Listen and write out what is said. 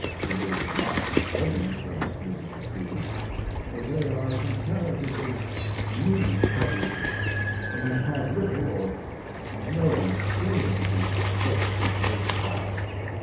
It is not strange that this is true, for they are comparatively new publishers and have had little or no experience with books of this class.